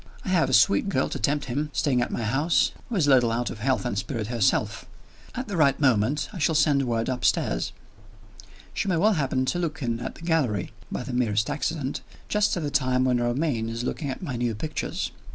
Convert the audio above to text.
I have a sweet girl to tempt him, staying at my house, who is a little out of health and spirits herself. At the right moment, I shall send word upstairs. She may well happen to look in at the gallery (by the merest accident) just at the time when Romayne is looking at my new pictures.